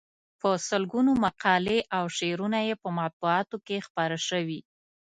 په سلګونو مقالې او شعرونه یې په مطبوعاتو کې خپاره شوي.